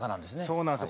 そうなんです。